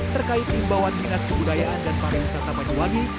terkait imbauan dinas kebudayaan dan pariwisata banyuwangi